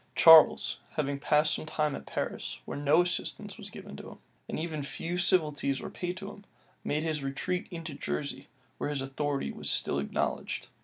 Charles, having passed some time at Paris, where no assistance was given him, and even few civilities were paid him, made his retreat into Jersey, where his authority was still acknowledged.